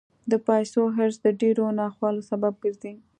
د پیسو حرص د ډېرو ناخوالو سبب ګرځي.